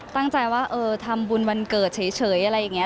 ตั้งใจว่าเออทำบุญวันเกิดเฉยอะไรอย่างนี้